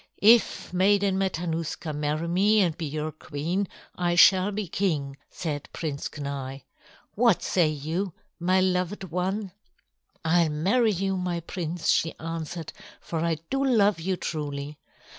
"If Maiden Matanuska marry me and be your queen, I shall be king," said Prince Kenai. "What say you, my loved one?" "I'll marry you, my prince," she answered, "for I do love you truly.